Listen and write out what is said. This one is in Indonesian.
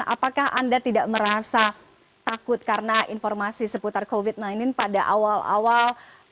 apakah anda tidak merasa takut karena informasi seputar covid sembilan belas pada awal awal